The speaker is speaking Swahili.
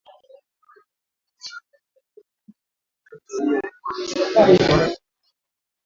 Viwango ni mara saba zaidi ya vile vinavyoruhusiwa na shirika la afya duniani , kulingana na ripoti ya ubora wa hewa iliyotolewa mwaka uliopita